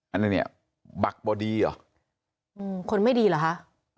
อันนี้บักบดีหรอคนไม่ดีเหรอฮะ